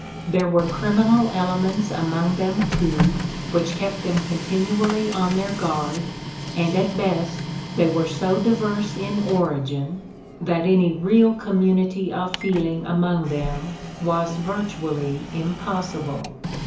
There were criminal elements among them, too, which kept them continually on their guard, and at best they were so diverse in origin that any real community of feeling among them was virtually impossible.